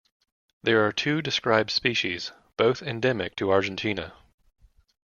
There are two described species, both endemic to Argentina.